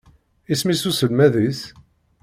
Isem-is uselmad-is?